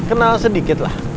ya kenal sedikit lah